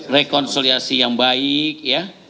rekonsiliasi yang baik ya